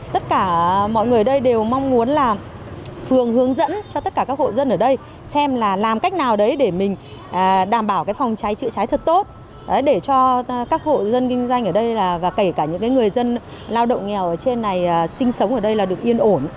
tất cả mọi người đây đều mong muốn là phường hướng dẫn cho tất cả các hộ dân ở đây xem là làm cách nào đấy để mình đảm bảo phòng cháy chữa cháy thật tốt để cho các hộ dân kinh doanh ở đây và kể cả những người dân lao động nghèo ở trên này sinh sống ở đây là được yên ổn